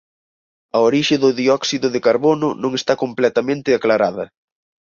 A orixe do dióxido de carbono non está completamente aclarada.